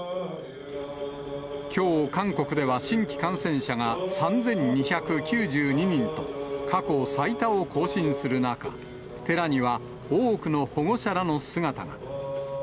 きょう韓国では、新規感染者が３２９２人と、過去最多を更新する中、寺には多くの保護者らの姿が。